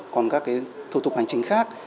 còn các thủ tục hành trình khác